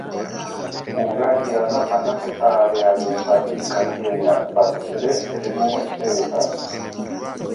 Ugaria da banaketa-arearen zatirik handienean, batez ere eremu hezeetan.